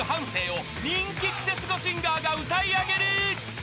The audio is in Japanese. ［人気クセスゴシンガーが歌い上げる］